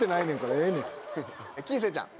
金星ちゃん。